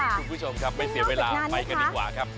คุณผู้ชมครับไม่เสียเวลาไปกันดีกว่าครับ